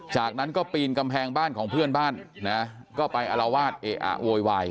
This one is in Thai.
จากนั้นก็ปีนกำแพงบ้านของเพื่อนบ้านนะก็ไปอารวาสเออะโวยวาย